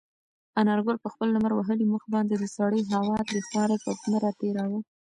انارګل په خپل لمر وهلي مخ باندې د سړې هوا تریخوالی په نره تېراوه.